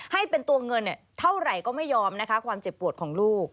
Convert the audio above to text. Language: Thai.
ให้เป็นตัวเงินเท่าไหร่ก็ไม่ยอมนะคะความเจ็บปวดของลูก